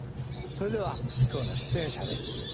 それでは今日の出演者です。